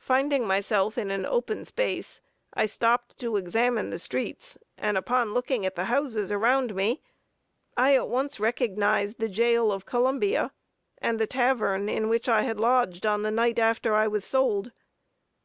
Finding myself in an open space, I stopped to examine the streets, and upon looking at the houses around me, I at once recognized the jail of Columbia, and the tavern in which I had lodged on the night after I was sold.